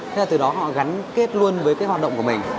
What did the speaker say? thế là từ đó họ gắn kết luôn với cái hoạt động của mình